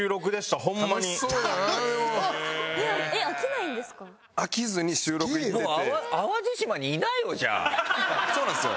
そうなんですよ。